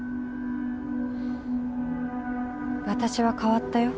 私は変わったよ。